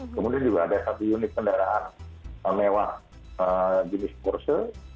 kemudian juga ada satu unit kendaraan mewah jenis porse